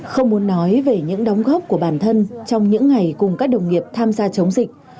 không muốn nói về những đóng góp của bản thân trong những ngày cùng các đồng nghiệp tham gia chống dịch